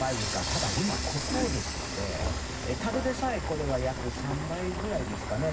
ただ、今は国王ですのでただでさえこれは約３倍ぐらいですかね